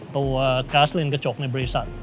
ตัวกาสเลนกระจกในบริษัท